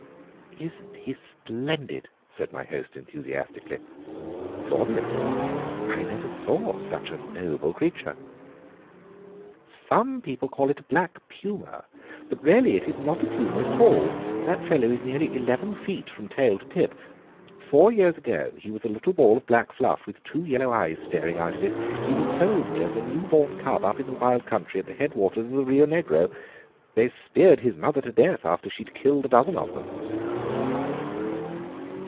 "Isn't he splendid?" said my host, enthusiastically. "Glorious! I never saw such a noble creature." "Some people call it a black puma, but really it is not a puma at all. That fellow is nearly eleven feet from tail to tip. Four years ago he was a little ball of black fluff, with two yellow eyes staring out of it. He was sold me as a new born cub up in the wild country at the head waters of the Rio Negro. They speared his mother to death after she had killed a dozen of them."